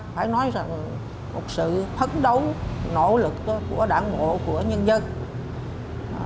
phải nói rằng một sự thấn đấu nỗ lực của đảng ngộ của nhân dân